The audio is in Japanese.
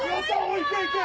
行け行け！